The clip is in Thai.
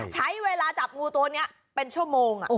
ใช้เวลาจับงูตัวนี้เป็นชั่วโมง